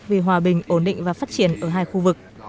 vì hòa bình ổn định và phát triển ở hai khu vực